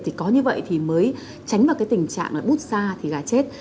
thì có như vậy thì mới tránh vào cái tình trạng là bút xa thì gà chết